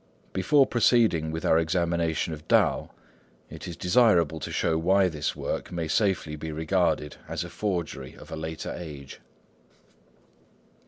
Before proceeding with our examination of Tao, it is desirable to show why this work may safely be regarded as a forgery of a later age.